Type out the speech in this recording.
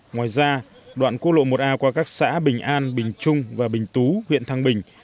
ngoài ra đoạn quốc lộ một a qua các xã bình an bình trung và bình tú huyện thăng bình